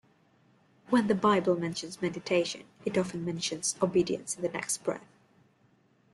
When the Bible mentions meditation, it often mentions obedience in the next breath.